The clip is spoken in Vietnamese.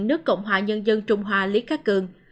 nước cộng hòa nhân dân trung hoa lý khắc cường